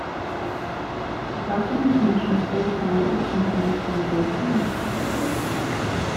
The document mentions both families in connection with this donation.